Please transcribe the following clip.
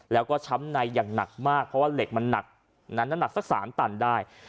แล้วก็ช้ำในอย่างหนักมากเพราะว่าเหล็กมันหนักนั้นหนักสัก๓ตันได้